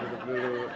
ya dianggap dulu